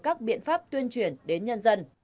các biện pháp tuyên truyển đến nhân dân